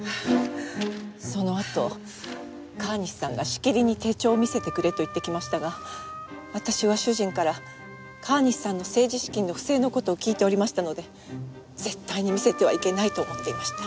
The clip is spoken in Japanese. そのあと川西さんがしきりに手帳を見せてくれと言ってきましたが私は主人から川西さんの政治資金の不正の事を聞いておりましたので絶対に見せてはいけないと思っていました。